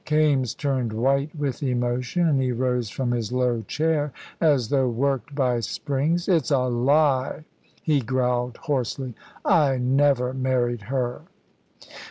Kaimes turned white with emotion, and he rose from his low chair as though worked by springs. "It's a lie," he growled hoarsely. "I never married her."